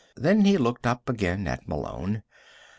Then he looked up again at Malone.